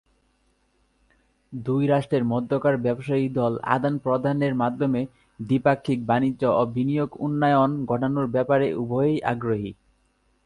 দুই রাষ্ট্রের মধ্যকার ব্যবসায়ী দল আদান-প্রদানের মাধ্যমে দ্বিপাক্ষিক বাণিজ্য ও বিনিয়োগ উন্নয়ন ঘটানোর ব্যাপারে উভয়েই আগ্রহী।